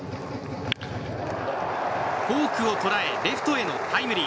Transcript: フォークを捉えレフトへのタイムリー。